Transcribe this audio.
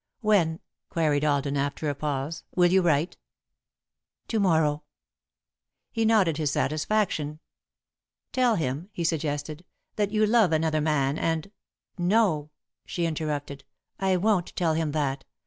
"When," queried Alden, after a pause, "will you write?" "To morrow." He nodded his satisfaction. "Tell him," he suggested, "that you love another man, and " "No," she interrupted, "I won't tell him that.